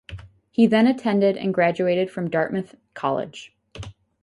He then attended and graduated from Dartmouth College.